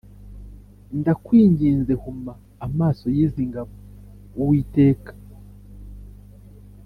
Ndakwinginze huma amaso y izi ngabo uwiteka